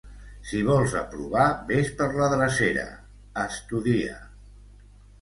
Si vols aprovar ves per la drecera: estudia.